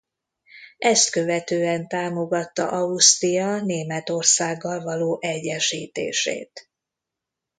Ezt követően támogatta Ausztria Németországgal való egyesítését.